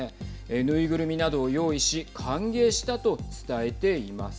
縫いぐるみなどを用意し歓迎したと伝えています。